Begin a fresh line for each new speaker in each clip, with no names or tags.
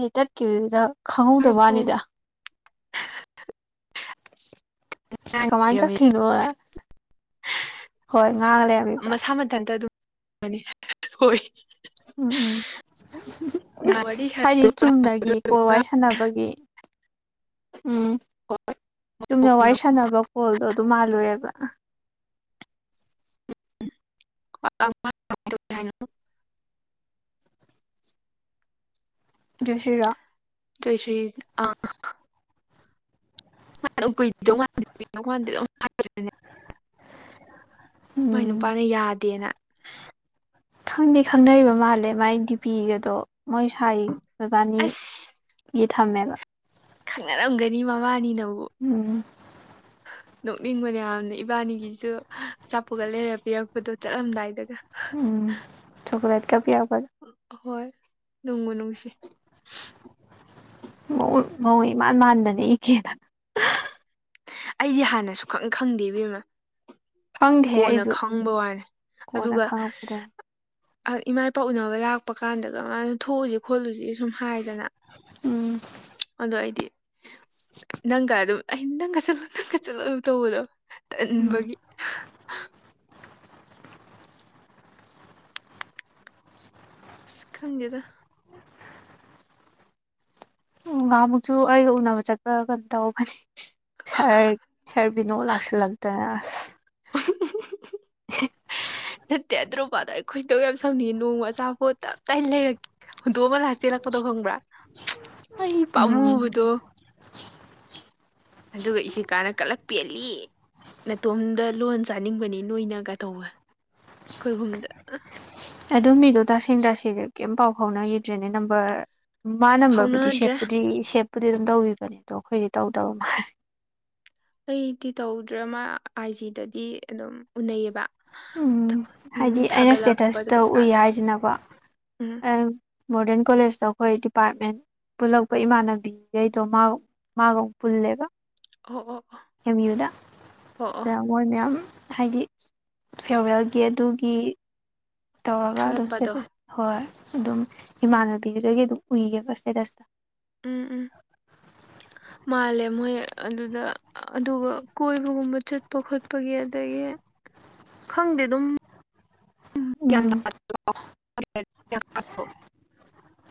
net ꯇꯠꯈꯤꯕꯗꯨꯗ
ꯇꯥꯔꯕꯣ
ꯈꯪꯍꯧꯗꯕꯋꯥꯅꯤꯗ ꯀꯃꯥꯏ
ꯉꯥꯡꯉꯤꯔꯃꯤ
ꯇꯠꯈꯤꯅꫭꯅ ꯍꯣꯏ ꯉꯥꯡꯉꯥ ꯂꯩꫪꯝ
ꯃꯁꯥ ꯃꯊꯟꯇ ꯑꯗꯨꯝ [unintelligible] ꯍꯣꯏ
ꯎꯝ ꯎꯝ
ꯅꯍꯥꯟ ꯋꯥꯔꯤ
ꯍꯥꯏꯗꯤ
ꯁꯥꯟꯅꯕꯗꯣ
ꯆꯨꯝꯅꯒꯤꯀꯣ
ꯑꯗꯨꯝ
ꯋꯥꯔꯤ ꯁꯥꯟꯅꯕꯒꯤ ꯎꯝ
ꯉꯥꯡꯉꯣ
ꯆꯨꯝꯅ ꯋꯥꯔꯤ ꯁꯥꯟꯅꯕ ꯀꯣꯜꯗꯣ ꯑꯗꯨꯝ ꯃꯥꯜꯂꯨꯔꯦꯕ
[inaudible] ꯍꯥꯏꯅꯣ
ꯖꯁꯤꯔꯥ
ꯇꫪꯦꯁꯤꫪ ꯑꯥ ꯑꯗꯨꯝ [unintelligible] [unintelligible] ꯃꯥꯏ
ꯎꯝ
ꯅꯨꯄꯥꯅ ꯌꯥꯗꯦꯅ
ꯈꯪꯗꯤ ꯈꯪꯅꯔꯤꯕ ꯃꯥꯜꯂꯦ ꯃꯥꯏ ꯗꯤꯄꯤꯒꯗꯣ ꯃꯣꯏ ꯁꯥꯏ ꯃꯕꯥꯅꯤ
ꯑꯁ
ꯒꯤ ꯊꯝꯃꯦꯕ
ꯈꯪꯅꯔꯝꯒꯅꯤ ꯃꯕꯥꯅꯤꯅꯕꯨ
ꯎꯝ
[unintelligible] ꯅꯣꯛꯅꯤꯡꯕꯅꯦꯌꯥꯝꯅ ꯏꯕꯥꯅꯤꯒꯤꯖꯨ ꯑꯆꯥꯄꯣꯠꯀ ꯂꯩꯔ ꯄꯤꯔꯛꯄꯗꯣ ꯆꯠꯂꯝꯗꯥꯏꯗꯒ
ꯎꯝ ꯆꯣꯀꯂꯦꯠ ꯀ ꯄꯤꯔꯛꯄ
ꯍꯣꯏ ꯅꯨꯡꯕꯨ ꯅꯨꯡꯁꯤ
ꯃꯥꯎ ꯃꯑꫭꯡ ꯏꯃꯥꯟ ꯃꯥꯟꯕꯅꯦ ꯏꯀꯦꯅ
ꯑꯩꯗꯤ ꯍꯥꯟꯅ ꯁꯨꯈꯪ ꯈꯪꯗꯦ ꯏꯕꯦꯝꯃꯥ
ꯈꯪꯗꯦꯍꯦ
ꯀꯣꯟꯅ
ꯑꯩꯁꯨ
ꯈꯪꯕ ꯋꯥꯅꯦ
ꯀꯣꯟꯅ
ꯑꯗꯨꯒ
ꯈꯪꯉꯛꯄꯗꯅꯦ
ꯏꯃꯥ ꯏꯄꯥ ꯎꯅꯕ ꯂꯥꯛꯄ ꯀꯥꯟꯗꯒ ꯃꯥꯅ ꯊꯣꯛꯎꯖꯤ ꯈꯣꯠꯂꯨꯖꯤ ꯁꯨꯝ ꯍꯥꯏꯗꯅ
ꯎꯝ
ꯑꯗꯣ ꯑꯩꯗꯤ ꯅꯪꯒ ꯑꯗꯨꯝ ꯑꯩ ꯅꯪꯒ ꯆꯠꯂꯨ ꯅꯪꯒ ꯆꯠꯂꯨ ꯑꯗꯨ ꯇꯧꯕꯗꯣ ꯇꯟꯕꯒꯤ
ꯎꯝ
ꯑꯁ ꯈꯪꯗꯦꯗ
ꯎ ꯉꯥꯃꯨꯛꯁꯨ ꯑꯩꯒ ꯎꯅꯕ ꯆꯠꯄ ꯀꯩꯅꯣ ꯇꯧꯧꯕ ꯐꯅꯤ ꯁꯥꯔ ꯁꯥꯔꯕꯤꯅꯣꯛ ꯂꯥꯛꯁꯤꯜꯂꯛꯇꯅ ꯑꯁ
ꯅꯠꯇꯦ ꯑꯗ꯭ꯔꯣꯄꯗ ꯑꯩ ꯈꯣꯏꯗꯧ ꯌꯥꯝ ꯁꯪꯅꯤ ꯅꯣꯡ ꯑꯆꯥꯄꯣꯠꯇꯇꯥꯏꯅ ꯂꯩꯔꯛꯦ ꯍꯨꯟꯗꯣꯛ ꯑꯝꯃꯒꯥ ꯍꯥ ꯆꯦꯜꯂꯛꯄꯗꯣ ꯈꯪꯕ꯭ꯔꯥ ꯑꯩ
ꯎꯝ
ꯄꯥꯝꯃꯨꯕꯗꯣ ꯑꯗꯨꯒ ꯏꯆꯦ ꯀꯥꯟꯅ ꯀꯂꯛꯄꯦꯜꯂꯤ ꯃꯇꯇꯣꯝꯗ ꯂꯣꯟ ꯆꯥꯅꯤꯡꯕꯅꯤ ꯅꯣꯏꯅꯒ ꯇꯧꯕ ꯑꯩꯈꯣꯏꯍꯨꯝꯗ
ꯑꯗꯨ ꯃꯤꯗꯣ ꯇꯥꯥꯁꯦꯡ ꯇꯥꯁꯤꯗꯤ ꯀꯔꯤꯝ ꯄꯥꯎ ꯐꯥꯎꯅꯈꯤꯗ꯭ꯔꯦꯅꯦ ꯅꯝꯕꯔ ꯃꯥ ꯅꯝꯕꯔꯕꯨꯗꯤ
ꯐꯥꯎꯅꯗ꯭ꯔꯦ
ꯁꯦꯞꯄꯨꯗꯤ ꯁꯦꯞꯄꯨꯗꯤ ꯑꯗꯨꯝ ꯇꯧꯕꯤꯕꯅꯦ ꯑꯗꯣ ꯑꯩꯈꯣꯏꯗꯤ ꯇꯧꯗꯕ ꯃꯥꯜꯂꯦ
ꯑꯩꯗꯤ ꯇꯧꯗ꯭ꯔꯦ ꯃꯥ ꯑꯥꯏ ꯖꯤꯗꯗꯤ ꯑꯗꯨꯝ ꯎꯅꯩꯌꯦꯕ
ꯎꯝ ꯍꯥꯏꯗꯤ
ꯎꯝ
ꯑꯩꯅ
ꯊꯥꯒꯠꯂꯛꯄꯗ
ꯏꯁꯇꯦꯇꯁꯇ ꯎꯏ
ꯀꯩꯀꯥꯗꯣ
ꯍꯥꯏꯁꯤꯅꯕ
ꯎꯝ
ꯃꯣꯔꯗꯟ ꯀꯣꯂꯦꯖꯇ ꯑꯩꯈꯣꯏ ꯗꯤꯄꯥꯔꯠꯃꯦꯟ ꯄꯨꯜꯂꯛꯄ ꯏꯃꯥꯟꯅꯕꯤꯈꯩꯗꯣ ꯃꯥꯒ ꯃꯥꯒ ꯑꯃꯨꯛ ꯄꯨꯜꯂꯦꯕ
ꯑꯣ ꯑꯣ
ꯑꯦꯝ ꯌꯨ
ꯑꯣ ꯑꯣ
ꯗ ꯃꯣꯏ ꯃꯌꯥꯝ ꯍꯥꯏꯗꯤ ꯐꯦꯔꯋꯦꯜꯒꯤ ꯑꯗꯨꯒꯤ ꯇꯧꯔꯒ ꯑꯗꯨꯝ
ꯊꯥꯒꯠꯄꯗꯣ
ꯁ꯭ꯇꯦꯇꯁ ꯍꯣꯏ ꯑꯗꯨꯝ ꯏꯃꯥꯟꯅꯕꯤꯗꯨꯗꯒꯤ ꯑꯗꯨꯝ ꯎꯏꯌꯦꯕ ꯁ꯭ꯇꯦꯇꯁꯇ
ꯎꯝ ꯎꯝ ꯃꯥꯜꯂꯦ ꯃꯣꯏ ꯑꯗꯨꯗ ꯑꯗꯨꯒ ꯀꯣꯏꯕꯒꯨꯝꯕ ꯆꯠꯄ ꯈꯣꯠꯄꯒꯤ ꯑꯗꯒꯤ ꯈꯪꯗꯦ ꯑꯗꯨꯝ
ꯎꯝ
[unintelligible]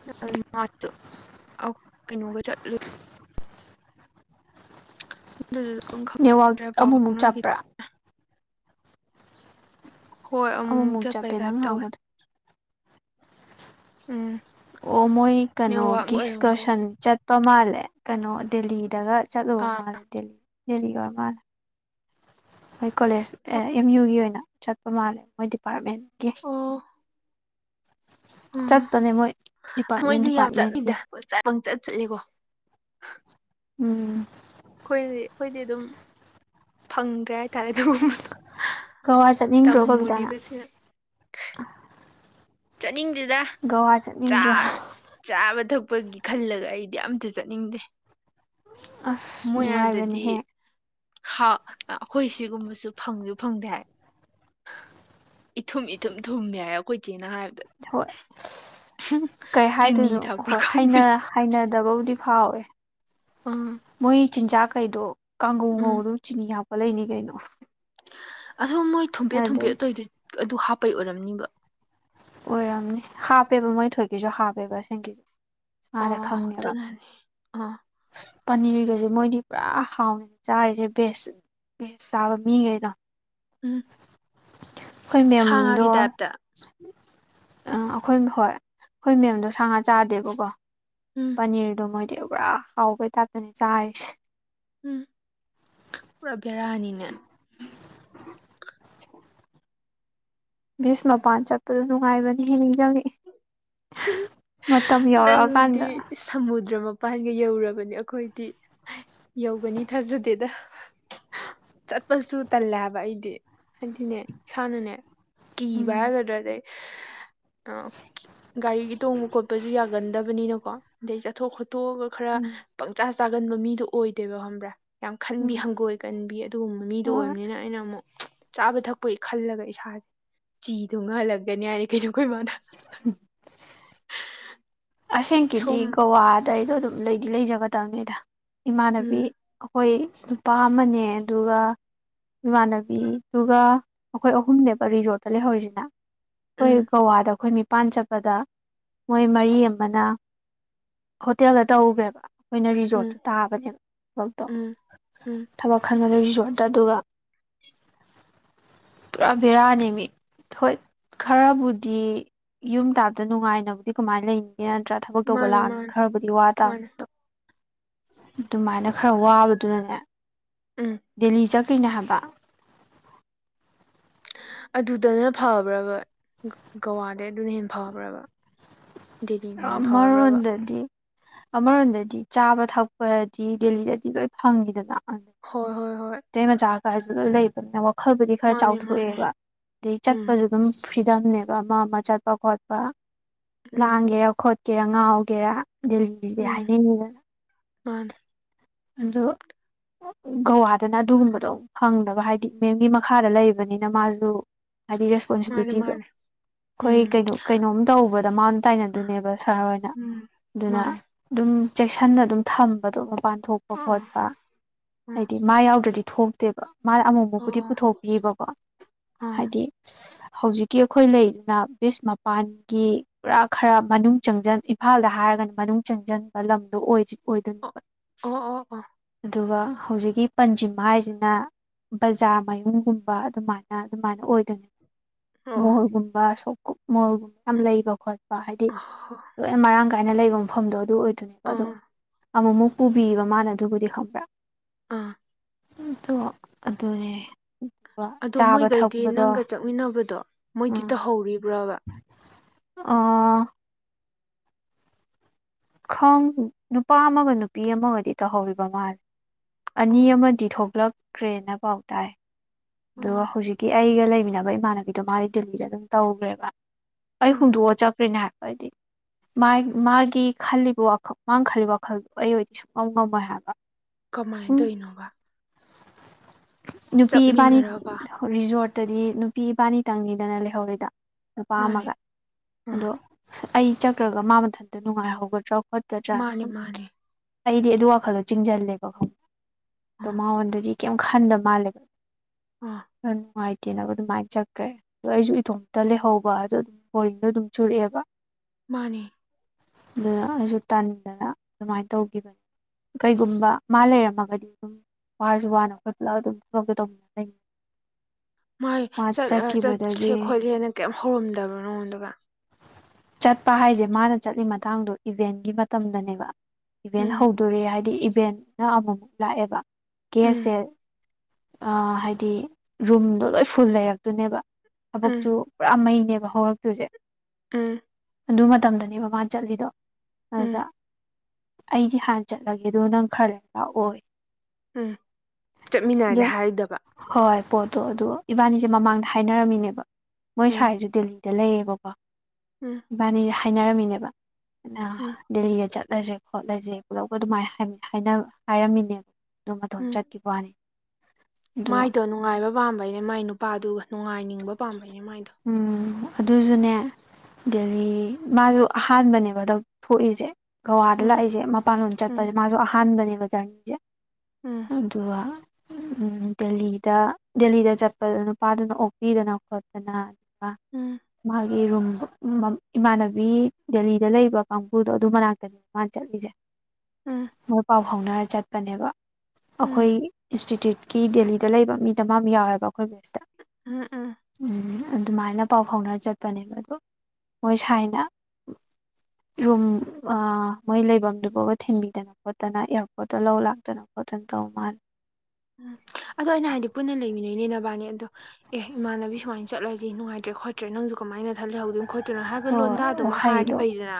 [unintelligible] ꯀꯩꯅꯣꯒ ꯆꯠꯂ ꯑꯗꯨ ꯑꯗꯨꯝ
ꯅꯦꯠꯋꯥꯛ
ꯈꯪ꯭ꯔꯦ ꯄꯥꯎ
ꯑꯃꯨꯛꯃꯨꯛ
ꯐꯥꯎꯅꯈꯤ
ꯆꯞꯄ꯭ꯔꯥ
ꯍꯣꯏ ꯑꯃꯨꯛ ꯑꯃꯨꯛ
ꯑꯃꯨꯛꯃꯨꯛ
ꯆꯠꯄꯩ
ꯆꯞꯄꯦ
ꯀꯥꯏꯞ
ꯅꯪ
ꯇꯧꯋꯦ
ꯉꯥꯡꯕꯗꯣ
ꯎꯝ
ꯑꯣ ꯃꯣꯏ
ꯅꯦꯠꯋꯥꯛ
ꯀꯩꯅꯣꯒꯤ
ꯑꯣꯏꯔꯝꯒꯅꯤ
ꯑꯦꯁꯀꯔꯁꯟ ꯆꯠꯄ ꯃꯥꯜꯂꯦ ꯀꯩꯅꯣ ꯗꯦꯜꯂꯤꯗꯒ ꯆꯠꯂꯣ
ꯑꯥ
ꯃꯥꯅꯦ ꯗꯦꯜꯂꯤ ꯗꯦꯜꯂꯤꯒꯧꯔ ꯃꯥꯅꯦ ꯃꯣꯏ ꯀꯣꯂꯦꯖ ꯑꯦꯝ ꯌꯨꯒꯤ ꯑꯣꯏꯅ ꯆꯠꯄ ꯃꯥꯜꯂꯦ ꯃꯣꯏ ꯗꯤꯄꯥꯔꯠꯃꯦꯟꯒꯤ
[inaudible]
ꯆꯠꯄꯅꯦ ꯃꯣꯏ
ꯑꯣ
ꯗꯤꯄꯥꯔꯠꯃꯦꯟ
ꯃꯣꯏꯗꯤ ꯌꯥꯝ
ꯗꯤꯄꯥꯔꯠꯃꯦꯟꯒꯤ
ꯆꯠꯂꯤꯗ ꯄꯪꯆꯠ ꯆꯠꯂꯤꯀꯣ
ꯎꯝ
ꯑꯩꯈꯣꯏꯗꯤ ꯑꯩꯈꯣꯏꯗꯤ ꯑꯗꯨꯝ ꯐꯪꯗ꯭ꯔꯦ ꯍꯥꯏꯇꯥꯔꯦ ꯑꯗꯨꯒꯨꯝꯕ
ꯀꯛꯋꯥ ꯆꯠꯅꯤꯡꯟ꯭ꯔꯣ ꯀꯕꯤꯇꯥ ꯅꯪ
ꯆꯠꯅꯤꯡꯗꯨꯗ
ꯒꯋꯥ ꯆꯠꯅꯤꯡꯗ꯭ꯔꯣ
ꯆꯥꯔ ꯆꯥꯕ ꯊꯛꯄꯒꯤ ꯈꯜꯂꯒ ꯑꯩꯗꯤ ꯑꯝꯇ ꯆꯠꯅꯤꯡꯗꯦ
ꯑꯁ
ꯃꯣꯏ ꯑꯗꯗꯤ
ꯅꯨꯡꯉꯥꯏꯕꯅꯦꯍꯦ
ꯑꯩꯈꯣꯏ ꯁꯤꯒꯨꯝꯕꯁꯨ ꯐꯪꯁꯨ ꯐꯪꯗꯦ ꯍꯥꯏ ꯏꯊꯨꯝ ꯏꯊꯨꯝ ꯊꯨꯝꯃꯦ ꯌꯥꯏ ꯑꯩꯈꯣꯏ ꯆꯦꯅ ꯍꯥꯏꯕꯗ
ꯍꯣꯏ
ꯆꯤꯅꯤ ꯊꯥꯛꯄ꯭ꯔ ꯈꯪꯗꯤ
ꯍꯅꯗꯕꯕꯨꯗꯤ ꯐꯥꯎꯋꯦ
ꯎꯝ
ꯃꯣꯏ ꯆꯤꯟꯖꯥꯛ ꯀꯩꯗꯣ ꯀꯥꯡꯒꯧ
ꯎꯝ
ꯉꯧꯔꯁꯨ ꯆꯤꯅꯤ ꯍꯥꯞꯄ ꯂꯩꯅꯤ ꯀꯩꯅꯣ
ꯑꯗꯣ ꯃꯣꯏ ꯊꯨꯝꯕꯦꯠ ꯊꯨꯝꯕꯦꯠ
ꯑꯗꯨꯗꯒꯤ
ꯑꯇꯣꯏꯗ ꯑꯗꯨ ꯍꯥꯞꯄꯩ ꯑꯣꯏꯔꯝꯅꯤꯕ
ꯑꯣꯏꯔꯝꯅꯤ ꯍꯥꯞꯄꯦꯕ ꯃꯣꯏ ꯊꯧꯑꯣꯏꯒꯤꯁꯨ ꯍꯥꯞꯄꯦꯕ ꯑꯁꯦꯡꯒꯤ ꯑꯥꯗ
ꯑꯣ
ꯈꯪꯉꯦꯕ
ꯑꯗꯨꯅꯅꯤ ꯑꯥ
ꯄꯅꯤ꯭ꯔꯒꯁꯦ ꯃꯣꯏꯗꯤ ꯄꯨꯔꯥ ꯍꯥꯎꯅꯤ ꯆꯥꯔꯤꯁꯦ ꯕꯦꯁ ꯕꯦꯁ ꯆꯥꯕ ꯃꯤꯒꯩꯗꯣ
ꯎꯝ
ꯑꯩꯈꯣꯏ
ꯁꯥ
ꯃꯦꯝꯗꯣ
ꯉꯥꯒꯤ
ꯑ
ꯇꯥꯏꯞꯇ
ꯑꯩꯈꯣꯏ ꯍꯣꯏ ꯑꯩꯈꯣꯏ ꯃꯦꯝꯗꯣ ꯁꯥ ꯉꯥ ꯆꯥꯗꯦꯕꯀꯣ
ꯎꯝ
ꯄꯅꯤ꯭ꯔꯗꯣ ꯃꯣꯏꯗꯤ ꯄꯨꯔꯥ ꯍꯥꯎꯕꯩ ꯊꯥꯛꯇꯅꯤ ꯆꯥꯔꯤꯁꯦ
ꯎꯝ ꯄꯨꯔꯥ ꯕꯦꯔꯥꯅꯤꯅꯦ
ꯕꯤ꯭ꯑꯆ ꯃꯄꯥꯟ ꯆꯠꯄꯗ ꯅꯨꯡꯉꯥꯏꯕꯅꯤ ꯍꯦ ꯅꯤꯡ ꯖꯪꯉꯛꯏ
ꯅꯪꯗꯤ ꯁꯃꯨꯗ꯭ꯔ ꯃꯄꯥꯟꯒ ꯌꯧꯔꯕꯅꯤ ꯑꯩꯈꯣꯏꯗꯤ ꯌꯧꯒꯅꯤ ꯊꯥꯖꯗꯦꯗ ꯆꯠꯄꯁꯨ ꯇꯜꯂꯦ ꯍꯥꯏꯕ ꯑꯩꯗꯤ ꯍꯥꯏꯗꯤꯅꯦ ꯏꯁꯥꯅꯅꯦ ꯀꯤꯕ
ꯎꯝ
ꯍꯥꯏꯒꯗ꯭ꯔꯥꯗ ꯑꯗꯩ ꯒꯥꯔꯤꯒꯤ ꯇꯣꯡꯕ ꯈꯣꯠꯄ ꯆꯠꯄꯁꯨ ꯌꯥꯒꯟꯗꯕꯅꯤꯅꯀꯣ ꯑꯗꯩ ꯆꯠꯊꯣꯛ ꯈꯣꯠꯇꯣꯛꯑꯒ ꯈꯔ
ꯎꯝ
ꯄꯪꯆꯥ ꯆꯥꯒꯟꯕ ꯃꯤꯗꯣ ꯑꯣꯏꯗꯦꯕ ꯈꯪꯕ꯭ꯔ ꯌꯥꯝ ꯈꯟꯕꯤ
ꯎꯝ
ꯍꯪꯒꯣꯏ ꯀꯟꯕꯤ ꯑꯗꯨꯒꯨꯝꯕ ꯃꯤꯗꯣ
ꯍꯣꯏ
ꯑꯣꯏꯕꯅꯤꯅ ꯑꯩꯅ ꯑꯃꯨꯛ ꯆꯥꯕ ꯊꯛꯄꯒꯤ ꯈꯜꯂꯒ ꯏꯁꯥꯁꯦ ꯆꯤꯊꯨꯡꯉꯒ ꯍꯜꯂꯛꯀꯅꯤ ꯍꯥꯏꯅꯤ ꯀꯩꯅꯣ ꯑꯩꯈ ꯏ ꯃꯃꯥꯅ
ꯎꯝ ꯑꯁꯦꯡꯀꯤꯗꯤ
ꯁꯣꯝ
ꯒꯋꯥꯗ ꯑꯩꯗꯣ ꯑꯗꯨꯝ ꯂꯩꯗꯤ ꯂꯩꯖꯒꯗꯕꯅꯦꯗ ꯏꯃꯥꯟꯅꯕꯤ
ꯎꯝ
ꯑꯩꯈꯣꯏ ꯅꯨꯄꯥ ꯑꯃꯅꯦ ꯑꯗꯨꯒ ꯏꯃꯥꯟꯅꯕꯤꯗꯨꯒ ꯑꯩꯈꯣꯏ ꯑꯍꯨꯝꯅꯦꯕ ꯔꯤꯖꯣꯔꯠꯇ ꯂꯩꯍꯧꯔꯤꯁꯤꯅ
ꯎꯝ
ꯑꯩꯈꯣꯏ ꯒꯋꯥꯗ ꯑꯩꯈꯣꯏ ꯅꯤꯄꯥꯟ ꯆꯠꯄꯗ ꯃꯣꯏ ꯃꯔꯤ ꯑꯃꯅ ꯍꯣꯇꯦꯜꯗ ꯇꯧꯧꯕ꯭ꯔꯦꯕ ꯑꯩꯈꯣꯏꯅ
ꯎꯝ
ꯔꯤꯖꯣꯔꯠꯇꯨ ꯇꯥꯕꯅꯦꯕ ꯊꯕꯛꯇꯣ
ꯎꯝ ꯎꯝ
ꯊꯕꯛ ꯈꯪꯉꯗ ꯔꯤꯖꯣꯔꯠꯇ ꯑꯗꯨꯒ
[inaudible]
ꯄꯨꯔꯥ ꯦꯔ ꯑꯅꯤꯃꯤ ꯍꯣꯏ ꯈꯔꯕꯨꯗꯤ ꯌꯨꯝ ꯇꯥꯕꯗ ꯅꯨꯡꯉꯥꯏꯅꯕꯨꯗꯤ ꯀꯃꯥꯏꯅ ꯂꯩꯅꯤ ꯌꯥ ꯅꯠꯇ꯭ꯔꯥ ꯊꯕꯛ ꯇꯧꯕ
ꯃꯥꯅꯦ
ꯂꯥꯛꯑꯅꯤ
ꯃꯥꯅꯦ
ꯈꯔꯕꯨꯗꯤ ꯋꯥ ꯇꯥꯕꯅꯤ
ꯃꯥꯅꯦ
ꯑꯗꯣ ꯑꯗꯨꯃꯥꯏꯅ ꯈꯔ ꯋꯥꯕꯗꯨꯅꯅꯦ
ꯎꯝ
ꯗꯦꯜꯂꯤ ꯆꯠꯈ꯭ꯔꯤꯅꯦ ꯍꯥꯏꯕ
ꯑꯗꯨꯗꯅ ꯐꯕ꯭ꯔꯕ ꯒꯋꯥꯗꯩ ꯑꯗꯨꯅ ꯍꯦꯟꯅ ꯐꯕ꯭ꯔꯕ ꯗꯦꯜꯂꯤꯅ ꯍꯦꯟꯅ ꯐꯕ꯭ꯔꯕ
ꯑꯃꯔꯣꯟꯗꯗꯤ ꯑꯃꯔꯣꯝꯗꯗꯤ ꯆꯥꯕ ꯊꯛꯄꯗꯤ ꯗꯦꯜꯂꯤꯗꯗꯤ ꯂꯣꯏ ꯐꯪꯉꯤꯗꯅ
ꯍꯣꯏ ꯍꯣꯏ ꯍꯣꯏ
ꯃꯩꯇꯩ ꯃꯆꯥ ꯀꯔꯁꯨ ꯂꯣꯏ ꯂꯩꯕꯅꯤꯅ ꯋꯥꯈꯜꯕꯨꯗꯤ ꯈꯔ
ꯃꯥꯅꯦ ꯃꯥꯅꯦ
ꯆꯥꯎꯊꯣꯛꯑꯦꯕ ꯑꯗꯩ
ꯎꯝ
ꯆꯠꯄꯁꯨ ꯑꯗꯨꯝ ꯐ꯭ꯔꯤꯗꯝꯅꯦꯕ ꯑꯃ ꯑꯃ ꯆꯠꯄ ꯈꯣꯠꯄ ꯂꯥꯟ
ꯎꯝ
[unintelligible] ꯈꯣꯠꯀꯦꯔꯥ ꯉꯥꯎꯒꯦꯔꯥ ꯗꯦꯜꯂꯤꯁꯤꯗꯤ ꯍꯥꯏꯅꯤꯡꯉꯤꯗꯅ
ꯃꯅꯦ
ꯑꯗꯣ ꯒꯋꯥꯗꯅ ꯑꯗꯨꯒꯨꯝꯕꯗꯣ ꯐꯪꯗꯅꯕ ꯍꯥꯏꯗꯤ ꯃꯦꯝꯒꯤ ꯃꯈꯥꯗ ꯂꯩꯕꯅꯤꯅ ꯃꯥꯁꯨ ꯍꯥꯏꯗꯤ
ꯃꯥꯅꯦ
ꯔꯦꯁꯄꯣꯟꯁꯤꯕꯤꯂꯤꯇꯤꯗꯣ
ꯃꯥꯅꯦ
ꯑꯩꯈꯣꯏ
ꯎꯝ
ꯀꯩꯅꯣ ꯀꯩꯅꯣꯝ ꯇꯧꯕꯗ ꯃꯥꯅ ꯇꯥꯏꯅꯗꯣꯏꯅꯦꯕ ꯁꯥꯍꯔ ꯍꯣꯏꯅ
ꯎꯝ
ꯑꯗꯨꯅ
ꯃꯥꯅꯦ
ꯑꯗꯨꯝ ꯆꯦꯛꯁꯤꯟꯅ ꯑꯗꯨꯝ ꯊꯝꯕꯗꯣ ꯃꯄꯥꯟ ꯊꯣꯛꯄ
ꯑꯥ
ꯈꯣꯠꯄ
ꯑꯥ
ꯍꯥꯏꯗꯤ ꯃꯥ ꯌꯥꯎꯗ꯭ꯔꯗꯤ ꯊꯣꯛꯇꯦꯕ ꯃꯥ ꯑꯃꯨꯐꯥꯎꯄꯨꯗꯤ
ꯑꯥ
ꯄꯨꯊꯣꯛꯄꯤꯕꯀꯣ
ꯑꯥ ꯑꯥ
ꯍꯥꯏꯗꯤ ꯍꯧꯖꯤꯛꯀꯤ ꯑꯩꯈꯣꯏ ꯂꯩꯗꯅ ꯕꯤꯁ ꯃꯄꯥꯟꯒꯤ ꯄꯨꯔꯥ ꯈꯔ ꯃꯅꯨꯡ ꯆꯪꯟ ꯏꯝꯐꯥꯜꯗ ꯍꯥꯏꯔꯒꯅ ꯃꯅꯨꯡ ꯆꯪꯁꯤꯟꯕ ꯂꯝꯗꯣ ꯑꯣꯏꯗꯣꯏꯅꯦꯕ
ꯑꯣ ꯑꯣ ꯑꯣ
ꯑꯗꯨꯒ ꯍꯧꯖꯤꯛꯀꯤ ꯄꯟꯁꯤꯝ ꯍꯥꯏꯁꯤꯅ ꯕꯖꯥꯔ ꯃꯌꯨꯝꯒꯨꯝꯕ ꯑꯗꯨꯃꯥꯏꯅ ꯑꯗꯨꯃꯥꯏꯅ ꯑꯣꯏꯗꯣꯏꯅꯦ
ꯑꯣ
ꯃꯣꯣꯔꯒꯨꯝꯕ ꯁꯣꯛ ꯃꯣꯜꯒꯨꯝꯕ ꯌꯥꯝ ꯂꯩꯕ ꯈꯣꯠ ꯍꯥꯏꯗꯤ
ꯑꯥ
ꯂꯣꯏꯅ ꯃꯔꯥꯡ ꯀꯥꯏꯅ ꯂꯩꯕ ꯃꯐꯝꯗꯣ ꯑꯗꯨ ꯑꯣꯏꯗꯣꯏꯅꯦꯕ ꯑꯗꯣ ꯑꯃꯨꯛꯃꯨꯛ ꯄꯨꯕꯤꯕ ꯃꯥꯅ ꯑꯗꯨꯕꯨꯗꯤ ꯈꯪꯕ꯭ꯔꯥ
ꯑꯥ
ꯇꯣ ꯑꯗꯨꯔꯦ
ꯑꯗꯣ ꯃꯣꯏꯒꯩꯗꯤ ꯅꯪꯒ ꯆꯠꯃꯤꯟꯅꯕꯗꯣ ꯃꯣꯏꯗꯤ
ꯎꯝ
ꯇꯧꯍꯧꯔꯤꯕ꯭ꯔꯕ
ꯑ ꯈ ꯅꯨꯄꯥ ꯑꯃꯒ ꯅꯨꯄꯤ ꯑꯃꯒꯗꯤ ꯇꯧꯍꯧꯔꯤꯕ ꯃꯥꯜꯂꯦ ꯑꯅꯤ
ꯑꯣ
ꯑꯃꯗꯤ ꯊꯣꯛꯂꯛꯈ꯭ꯔꯦꯅ ꯄꯥꯎ ꯇꯥꯏ ꯑꯗꯣ
ꯑꯣ
ꯍꯧꯖꯤꯛꯀꯤ ꯑꯩꯒ ꯂꯩꯃꯤꯟꯅꯕ ꯏꯃꯥꯟꯅꯕꯤꯗꯣ ꯃꯥꯗꯤ ꯗꯗꯤꯜꯂꯤꯗ ꯑꯗꯨꯝ ꯇꯧꯈ꯭ꯔꯦꯕ ꯑꯩ
ꯑꯣ
ꯍꯨꯗꯑꯣ ꯆꯀ꯭ꯔꯔꯤꯅꯦ ꯍꯥꯏꯄꯗꯤ ꯃꯥ ꯃꯥꯒꯤ ꯈꯜꯂꯤꯕ ꯋꯥꯈꯜ ꯃꯥꯅ ꯈꯜꯂꯤꯕ ꯋꯥꯈꯜꯗꯣ ꯑꯩ ꯑꯣꯏꯗꯤ ꯁꯨꯡꯉꯝ ꯉꯝꯃꯣꯏ ꯍꯥꯏꯕ
ꯀꯃꯥꯏꯅ
ꯁꯨꯝ
ꯇꯣꯏꯅꯣꯕ
ꯅꯨꯄꯤ ꯏꯕꯥꯅꯤ
ꯆꯠꯃꯤꯟꯅꯔꯒ
ꯔꯤꯖꯣꯔꯠꯇꯗꯤ ꯅꯨꯄꯤ ꯏꯕꯥꯅꯤꯇꯪꯅꯤꯗꯅ ꯂꯩꯍꯧꯔꯤꯗ ꯅꯨꯄꯥ
ꯃꯥꯅꯦ
ꯑꯃꯒ
ꯑꯥ
ꯑꯗꯣ ꯑꯩ ꯆꯈ꯭ꯔꯒ ꯃꯥ ꯃꯊꯟꯇ ꯅꯨꯡꯉꯥꯏꯍꯧꯒꯗ꯭ꯔꯣ ꯍꯣꯠꯀꯗ꯭ꯔꯅ
ꯃꯥꯅꯦ
ꯁꯨꯝ
ꯃꯥꯅꯦ
ꯑꯩꯗꯤ ꯑꯗꯨ ꯋꯥꯈꯜꯗꯣ ꯆꯤꯡꯁꯤꯜꯂꯦꯕ ꯈꯪꯕ ꯑꯗꯣ
ꯑꯥ
ꯃꯉꯣꯟꯗꯗꯤ ꯀꯩꯝ ꯈ ꯍꯟꯕ ꯃꯥꯜꯂꯦꯕ
ꯑꯥ
ꯑꯗꯨꯅꯨꯡ ꯍꯥꯏꯥꯏꯇꯤꯅꯒ ꯃꯥꯏ ꯆꯈ꯭ꯔꯦ ꯑꯗꯣ ꯑꯩꯁꯨ ꯏꯇꯣꯝꯇ ꯂꯩꯍꯧꯕ ꯍꯥꯏꯗꯣ ꯑꯗꯨꯝ ꯍꯣꯗꯣ ꯑꯗꯨꯝ ꯆꯨꯔꯛꯑꯦꯕ
ꯃꯥꯅꯦ
ꯑꯗꯨꯗ ꯑꯩꯁꯨ ꯇꯟꯗꯅ ꯑꯗꯨꯃꯥꯏꯅ ꯇꯧꯈꯤꯕꯅꯤ ꯀꯩꯒꯨꯝꯕ ꯃꯥ ꯂꯩꯔꯝꯃꯒꯗꯤ ꯑꯗꯨꯝ ꯋꯥꯔꯁꯨ ꯋꯥꯅ ꯑꯩꯈꯣꯏ ꯄꯨꯜꯂꯞ ꯑꯗꯨꯝ ꯊꯕꯛꯇꯣ ꯇꯧꯃꯤꯟꯅ [unintelligible]
ꯃꯥꯥꯏ ꯆꯠꯁꯦ ꯈꯣꯠꯁꯦꯅ ꯀꯩꯝ ꯍꯧꯔꯝꯗꯕ ꯅꯉꯣꯟꯗꯒ
ꯆꯠꯄ ꯍꯥꯏꯁꯦ ꯃꯥꯅ ꯆꯠꯂꯤ ꯃꯇꯥꯡꯗꯣ ꯏꯚꯦꯟꯒꯤ ꯃꯇꯝꯗꯅꯦꯕ ꯏꯚꯦꯟ
ꯎꯝ
ꯍꯧ ꯇꯧꯔꯦ ꯍꯥꯏꯗꯤ ꯏꯚꯦꯟꯅ ꯑꯃꯨꯛ ꯂꯥꯛꯑꯦꯕ
ꯎꯝ
ꯒꯦꯁꯁꯦ ꯑ ꯍꯥꯏꯗꯤ ꯔꯨꯝꯗꯣ ꯂꯣꯏ ꯐꯨꯜ ꯂꯩꯔꯛꯇꯨꯅꯦꯕ
ꯎꯝ
ꯊꯕꯛꯁꯨꯨ ꯄꯨꯔꯥ ꯃꯩꯅꯦꯕ ꯍꯧꯔꯛꯇꯣꯏꯁꯦ
ꯎꯝ
ꯑꯗꯨ ꯃꯇꯝꯗꯅꯦ ꯃꯥꯅ ꯆꯠꯂꯤꯗꯣ ꯑꯗꯨꯗ
ꯎꯝ
ꯑꯩꯁꯦ ꯍꯥꯟꯅ ꯆꯠꯂꯒꯦ ꯑꯗꯨ ꯅꯪ ꯈꯔ ꯂꯩꯔꯒ ꯂꯥꯛ ꯑꯣꯌꯦ
ꯎꯝ ꯆꯠꯃꯤꯟꯅꯔꯁꯦ
ꯑꯗ
ꯍꯥꯏꯗꯕ
ꯍꯣꯏ ꯄꯣꯠꯇꯣ ꯑꯗꯨꯗꯣ ꯏꯕꯥꯅꯤꯁꯦ ꯃꯃꯥꯡꯗ ꯍꯥꯏꯅꯔꯝꯃꯤꯅꯦꯕ ꯃꯣꯏ
ꯎꯝ
ꯁ꯭ꯥꯏꯔꯤꯁ ꯗꯦꯜꯂꯤ ꯇ ꯂꯩꯌꯦꯕꯣꯕꯥ
ꯎꯝ
ꯏꯕꯥꯅꯤ ꯍꯥꯏꯅꯔꯝꯃꯤꯅꯦꯕ
ꯎꯝ
ꯗꯦꯜꯂꯤꯗ ꯆꯠꯂꯁꯦ ꯈꯣꯠꯂꯁꯦ ꯄꯨꯂꯞꯄ ꯑꯗꯨꯃꯥꯏꯅ ꯍꯥꯏ ꯍꯥꯏꯔꯝꯃꯤꯅꯦꯕ ꯑꯗꯨꯝ ꯃꯇꯊꯣꯟ
ꯎꯝ
ꯆꯠꯦ ꯀ ꯋꯥꯅꯤ ꯑꯗꯣ
ꯃꯥꯏꯗꯣ ꯅꯨꯡꯉꯥꯏꯕ ꯄꯥꯝꯕꯩꯅꯦ ꯃꯥꯏ ꯅꯨꯄꯥꯗꯨꯒ ꯅꯨꯡꯉꯥꯏꯅꯤꯡꯕ ꯄꯥꯝꯕꯩꯅꯦ ꯃꯥꯏꯗꯣ
ꯎꯝ ꯑꯗꯨꯁꯨꯅꯦ ꯑꯗꯒꯤ ꯃꯥꯗꯣ ꯑꯍꯥꯟꯕꯅꯦꯕꯗ ꯊꯣꯛꯏꯁꯦ ꯒꯧꯋꯥꯗ
ꯎꯝ
ꯂꯥꯛꯏꯁꯦ ꯃꯄꯥꯟ ꯂꯣꯝ ꯆꯠꯄꯁꯦ
ꯎꯝ
ꯃꯥꯁꯨ ꯑꯍꯥꯟꯕꯅꯦꯕ ꯖꯔꯅꯤꯁꯦ
ꯎꯝ
ꯑꯗꯨꯒ ꯗꯦꯜꯂꯤꯗ ꯗꯦꯜꯂꯤꯗ ꯆꯠꯄꯗ ꯅꯨꯄꯥꯗꯨꯅ ꯑꯣꯛꯄꯤꯗꯅ ꯈꯣꯠ ꯗꯅ
ꯎꯝ
ꯃꯥꯒꯤ ꯔꯨꯝ ꯏꯃꯥꯟꯅꯕꯤ ꯗꯦꯜꯂꯤꯗ ꯂꯩꯕ ꯀꯥꯡꯕꯨꯗꯣ ꯑꯗꯨ ꯃꯅꯥꯛꯇꯅꯤ ꯃꯥ ꯆꯠꯂꯤꯖꯦ
ꯎꯝ
ꯃꯣꯏ ꯄꯥꯎ ꯐꯥꯎꯅꯔ ꯆꯠꯄꯅꯦꯕ ꯑꯩꯈꯣꯏ
ꯎꯝ
ꯏꯟꯁꯇꯤꯇ꯭ꯌꯨꯠꯀꯤ ꯗꯦꯜꯂꯤꯗ ꯂꯩꯕ ꯃꯤꯗꯃꯥꯗ ꯌꯥꯎꯋꯦꯕ ꯑꯩꯈꯣꯏ ꯕꯦꯠꯁꯇ
ꯎꯝ ꯎꯝ
ꯎꯝ ꯑꯗꯨꯃꯥꯏꯅ ꯄꯥꯎ ꯐꯥꯎꯅꯔ ꯆꯠꯄꯅꯦꯕ ꯑꯗꯨ ꯃꯣꯏ ꯁꯥꯏꯅ
[inaudible]
ꯔꯨꯝ ꯃꯣꯏ ꯂꯩꯐꯝꯗꯨ ꯐꯥꯎꯕ ꯊꯤꯟꯕꯤꯗꯅ ꯈꯣꯠꯇꯅ ꯑꯦꯌꯥꯔꯄꯣꯔꯠꯇ ꯂꯧ ꯂꯥꯛꯇꯅ ꯈꯣꯠꯇꯅ ꯇꯧ ꯃꯥꯥꯟ
ꯎꯝ ꯑꯗꯣ ꯑꯩꯅ ꯍꯥꯏꯗꯤ ꯄꯨꯟꯅ ꯂꯩꯃꯤꯟꯅꯩꯅꯤ ꯅꯕꯥꯅꯤ ꯑꯗꯣ ꯑꯦ ꯏꯃꯥꯟꯅꯕꯤ ꯁꯨꯃꯥꯏ ꯆꯠꯂꯖꯤ ꯅꯨꯡꯉꯥꯏꯇ꯭ꯔꯦ ꯈꯣꯠꯇ꯭ꯔꯦ ꯅꯪꯖꯨ ꯀꯃꯥꯏꯅ ꯅꯊꯟ ꯂꯩꯍꯧꯗꯣꯏꯅꯣ ꯈꯣꯠꯇꯣꯏꯅꯣ ꯍꯥꯏꯕ
ꯍꯣꯏ
ꯂꯣꯟꯗꯥꯗꯨꯃ ꯍꯥꯏꯔꯗꯤ
ꯋꯥꯍꯩꯗꯣ
ꯐꯩꯗꯅ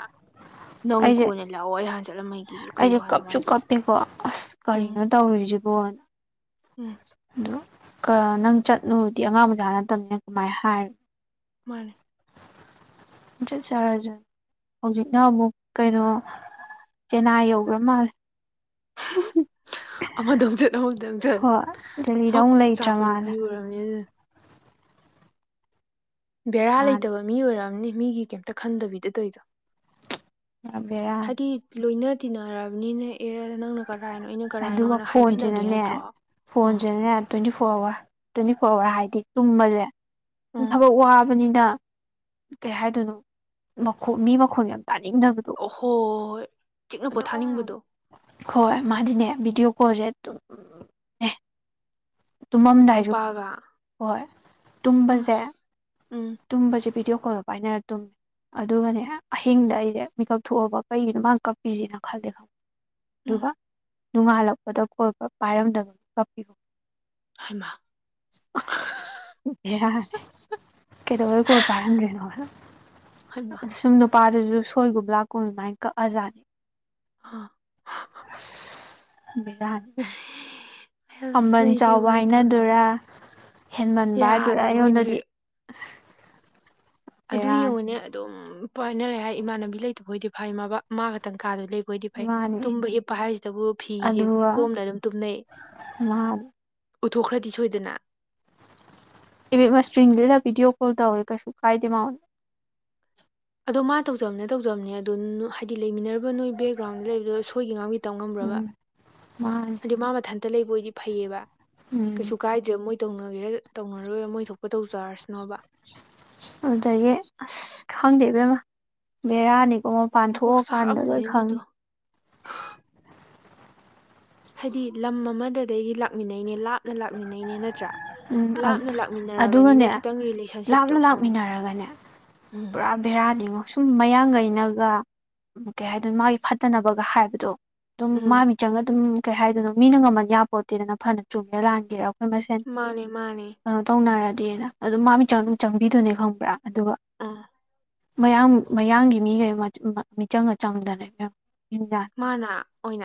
ꯅꯪ
ꯑꯩꯁꯦ
ꯀꯣꯟꯅ ꯂꯥꯛꯑꯣ ꯑꯩ ꯍꯥꯟꯅ ꯆꯠꯂꯝꯃꯒꯦꯌꯦ ꯀꯩ
ꯑꯩꯁꯦ
ꯋꯥꯅꯣ
ꯀꯞꯁꯨ
ꯃꯥꯏꯗꯨꯕꯣ
ꯀꯞꯄꯦꯀꯣ ꯑꯁ ꯀꯔꯤꯅꯣ ꯇꯧꯔꯤꯖꯤꯕꯣ
ꯎꯝ
ꯑꯗꯨ ꯀ ꯅꯪ ꯆꯠꯅꯨꯗꯤ ꯑꯉꯥꯡꯃꯆꯥ ꯅꯠꯇꯕꯅꯤꯅ ꯀꯃꯥꯏ ꯍꯥꯏ
ꯃꯥꯟꯅꯦ
ꯆꯠꯆꯔꯖꯅꯨ ꯍꯧꯖꯤꯛꯅ ꯑꯃꯨꯛ ꯀꯩꯅꯣ ꯆꯦꯅꯥꯏ ꯌꯧꯒ꯭ꯔ ꯃꯥꯜꯂꯦ
ꯑꯃꯗꯃꯨꯛ ꯆꯠꯍꯧꯗꯕꯗ
ꯍꯣꯏ ꯗꯦꯜꯂꯤꯗ ꯑꯃꯨꯛ
ꯃꯀꯣꯛ
ꯂꯩꯇ꯭ꯔ
ꯆꯥꯛꯄ ꯅꯨꯄꯤ
ꯃꯥꯜꯂꯦ
ꯑꯣꯏꯔꯝ ꯅꯤꯗ ꯕꯦꯔꯥ ꯂꯩꯇꯕ ꯃꯤ ꯑꯣꯏꯔꯝꯅꯤ ꯃꯤꯒꯤ ꯀꯩꯝꯇ ꯈꯟꯗꯕꯤꯗ ꯇꯧꯏꯗꯣ
ꯕꯦꯔꯥꯅꯤ
ꯍꯥꯏꯗꯤ ꯂꯣꯏꯅ ꯇꯤꯟꯅꯔꯕꯅꯤꯅꯦ ꯑꯦ ꯅꯪꯅ ꯀꯔꯥꯏꯅꯣ ꯑꯩꯅ
ꯑꯗꯨꯒ
ꯀꯔꯥꯏꯅꯣꯅ ꯍꯥꯏꯕꯤꯅꯗꯣꯏ ꯅꯠꯇ꯭ꯔꯣ
ꯐꯣꯟꯁꯤꯅꯅꯦ
ꯑ
ꯐꯣꯟꯁꯤꯅꯅꯦ twenty four hour twenty four hour ꯍꯥꯏꯗꯤ ꯇꯨꯝꯕꯖꯦ ꯑꯗꯨꯝ
ꯑꯥ
ꯊꯕꯛ ꯋꯥꯕꯅꯤꯅ ꯀꯩ ꯍꯥꯏꯗꯣꯏꯅꯣ ꯃꯈꯣ ꯃꯤ ꯃꯈꯣꯟꯖꯦ
ꯑꯣꯍꯣ ꯍꯣ ꯍꯣꯏ ꯆꯤꯛꯅ
ꯑꯗꯨꯝ
ꯄꯣꯠꯊꯥꯅꯤꯡꯕꯗꯣ
ꯍꯣꯏ ꯃꯥꯗꯤꯅꯦ ꯚꯤꯗꯤꯑꯣ ꯀꯣꯜꯖꯦ ꯑꯗꯨꯝ ꯇꯨꯝꯃꯝꯗꯥꯏꯖꯨ
ꯅꯨꯄꯥꯒ
ꯍꯣꯏ ꯇꯨꯝꯕꯖꯦ
ꯑꯁ ꯎꯝ
ꯇꯨꯝꯕꯖꯦ ꯚꯤꯗꯤꯑꯣ ꯀꯣꯜꯗꯣ ꯄꯥꯏꯅꯔ ꯇꯨꯝꯃꯤ ꯑꯗꯨꯒꯅꯦ ꯑꯍꯤꯡꯗ ꯑꯩꯖꯦ ꯃꯤꯀꯞ ꯊꯣꯛꯑꯕ ꯀꯩꯒꯤꯅꯣ ꯃꯥꯅ ꯀꯞꯄꯤꯖꯤꯅ ꯈꯜꯂꯦꯕ
ꯎꯝ
ꯑꯗꯨꯒ ꯅꯣꯡꯉꯥꯜꯂꯛꯄꯗ ꯀꯣꯜꯀꯞ ꯄꯥꯏꯔꯝꯗꯕꯩ ꯀꯞꯄꯤꯕ
ꯍꯩꯃꯥ
ꯑꯁ ꯑꯁ ꯕꯦꯔꯥꯅꯤ ꯀꯩꯗꯧꯕꯩ ꯀꯣꯜ ꯄꯥꯏꯔꯝꯗ꯭ꯔꯤꯅꯣꯅ
ꯍꯩꯃꯥ
ꯁꯨꯝ ꯅꯨꯄꯥꯗꯨꯖꯨ ꯁꯣꯏꯒꯨꯝ ꯂꯥꯛꯀꯨꯝ ꯑꯗꯨꯃꯥꯏ ꯀꯛꯑ ꯖꯥꯠꯅꯤ
ꯍꯥ
ꯑꯁ ꯕꯦꯔꯥꯅꯤ ꯏꯕꯦꯝꯃ
ꯑꯁ ꯑꯩꯗꯤ ꯀꯃꯥꯏ ꯇꯧꯅꯤ
ꯑ
ꯌꯥꯗ꯭ꯔꯕꯣ ꯏꯟꯖꯤꯟ ꯑꯗꯨ
ꯕꯦꯔꯥꯅꯤ
ꯌꯦꯡꯉꯨꯅꯦ ꯑꯗꯨꯝ ꯄꯥꯏꯅ ꯂꯩ ꯍꯥꯏ ꯏꯃꯥꯟꯅꯕꯤ ꯂꯩꯇꯕꯣꯏꯗꯤ ꯐꯩ ꯃꯥꯕꯥ ꯃꯥ ꯈꯛꯇꯪ ꯀꯥꯗ ꯂꯩꯕ ꯍꯣꯏꯗꯤ ꯐꯩ
ꯃꯥꯅꯤ
ꯇꯨꯝꯕ ꯍꯤꯞꯄ ꯍꯥꯏꯖꯤꯗꯕꯨ ꯐꯤꯖꯦ
ꯑꯗꯨꯒ
ꯀꯣꯝꯅ ꯑꯗꯨꯝ ꯇꯨꯝꯅꯩ
ꯃꯥ
ꯎꯠꯊꯣꯛꯈ꯭ꯔꯗꯤ ꯁꯣꯏꯗꯅ
ꯏꯕꯦꯝꯃ ꯏꯁꯇ꯭ꯔꯤꯡ ꯂꯤꯠꯂ ꯚꯤꯗꯤꯑꯣ ꯀꯣꯜ ꯇꯧꯏ ꯀꯩꯁꯨ ꯀꯥꯏꯗꯦ ꯃꯥꯉꯣꯟꯗ
ꯑꯗꯣ ꯃꯥ ꯇꯧꯖꯕꯅ ꯇꯧꯖꯕꯅꯦ ꯑꯗꯣ ꯍꯥꯏꯗꯤ ꯂꯩꯃꯤꯟꯅꯔꯤꯕ ꯅꯣꯏ ꯕꯦꯛꯒ꯭ꯔꯥꯎꯟꯗ ꯂꯩꯕꯗꯣ ꯁꯣꯏꯒꯤ ꯉꯥꯥꯝꯒꯤ ꯇꯝ ꯉꯝꯕ꯭ꯔꯕ꯭ꯔꯥ
ꯎꯝ ꯃꯥꯅꯤ
ꯍꯥꯏꯗꯤ ꯃꯥ ꯃꯊꯟꯇ ꯂꯩꯕ ꯑꯣꯏꯗꯤ ꯐꯩꯑꯕ
ꯎꯝ
ꯀꯩꯁꯨ ꯀꯥꯏꯗ꯭ꯔꯦ ꯃꯣꯏ ꯇꯧꯅꯒꯦꯔ ꯇꯧꯅꯔꯣꯏꯕ ꯃꯣꯏ ꯊꯣꯛꯄ ꯇꯧꯖꯔꯁꯅꯣꯕ
ꯑꯗꯨꯗꯒꯤ ꯑꯁ ꯈꯪꯗꯦ ꯏꯕꯦꯝꯃ ꯕꯦꯔꯥꯅꯤꯀꯣ
ꯃꯀꯣꯛ
ꯃꯄꯥꯟꯊꯣꯛꯑꯀꯥꯟꯗ ꯂꯣꯏ
ꯆꯥꯛꯑꯝꯅꯤꯅꯦ ꯃꯗꯣ
ꯈꯪꯉꯤ
ꯍꯥꯏꯗꯤ ꯂꯝ ꯑꯃꯗꯗꯗꯩꯒꯤ ꯂꯥꯛꯃꯤꯟꯅꯩꯅꯤ ꯂꯥꯞꯅ ꯂꯥꯛꯃꯤꯟꯅꯩꯅꯤ ꯅꯠꯇ꯭ꯔꯥ
ꯎꯝ
ꯂꯥꯞꯅ ꯂꯥꯛꯃꯤꯟꯅꯔꯕꯅꯤꯅ
ꯑꯗꯨꯒꯅꯦ
ꯈꯤꯇꯪ ꯔꯤꯂꯦꯁꯟꯁꯤꯞꯇꯣ
ꯂꯥꯞꯅ
ꯑꯥ
ꯂꯥꯛꯃꯤꯟꯅꯔꯒꯅꯦ
ꯎꯝ
ꯄꯨꯔꯥ ꯕꯦꯔꯥꯅꯤꯉꯣ ꯁꯨꯝ ꯃꯌꯥꯡꯒꯩꯅꯒ ꯀꯩ ꯍꯥꯏꯗꯣꯅꯣ ꯃꯥꯒꯤ ꯐꯠꯇꯅꯕꯒ ꯍꯥꯏꯕꯗꯣ ꯑꯗꯨꯝ ꯃꯥ
ꯎꯝ
ꯃꯤꯆꯪꯒ ꯑꯗꯨꯝ ꯀꯩ ꯍꯥꯏꯗꯣꯏꯅꯣ ꯃꯤꯅ ꯉꯝꯍꯟ ꯌꯥꯄꯣꯟꯇꯦꯗꯅ ꯐꯅ ꯆꯨꯝꯃꯦ ꯂꯥꯟꯒꯦꯔꯦ ꯑꯩꯈꯣꯏ ꯃꯁꯦꯟ
ꯃꯥꯟꯅꯤ ꯃꯥꯟꯅꯤ
ꯀꯩꯅꯣ ꯇꯧꯅꯔꯗꯤꯅ ꯑꯗꯨꯝ ꯃꯥ ꯃꯤꯆꯪ ꯑꯗꯨꯝ ꯆꯪꯕꯤꯗꯣꯏꯅꯦ ꯈꯪꯕ꯭ꯔꯥ ꯑꯗꯨꯒ
ꯑ
ꯃꯌꯥꯝ ꯃꯌꯥꯡꯒꯤ ꯃꯤꯒꯩ ꯃꯤꯆꯪꯒ ꯆꯪꯗꯅ ꯏꯕꯦꯝꯃ ꯅꯣꯛꯅꯤꯡꯖꯥꯠꯅꯤ
ꯃꯥꯅ ꯑꯣꯏꯅ